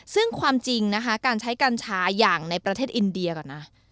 ซึ่งความจริงนะคะการใช้กัญชาอย่างในประเทศอินเดียก่อนนะ